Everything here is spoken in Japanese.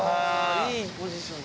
いいポジションだ。